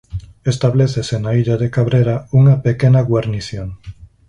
Establécese na illa de Cabrera unha pequena guarnición.